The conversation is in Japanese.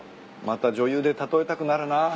また女優で例えたくなるな。